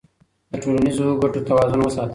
د ټولنیزو ګټو توازن وساته.